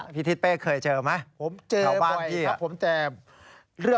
พี่ธิตเป